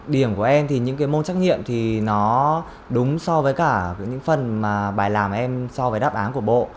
điểm của em thì những cái môn trách nhiệm thì nó đúng so với cả những phần mà bài làm em so với đáp án của bộ